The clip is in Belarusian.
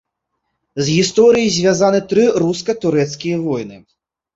З гісторыяй звязаны тры руска-турэцкія войны.